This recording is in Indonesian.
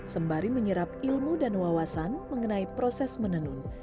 sembari menyerap ilmu dan wawasan mengenai proses menenun